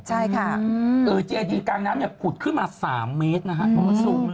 จีอาร์ดีกลางน้ำขุดขึ้นมา๓เมตรนะครับ